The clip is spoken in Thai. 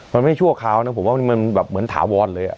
มันไม่ชั่วคราวนะผมว่ามันแบบเหมือนถาวรเลย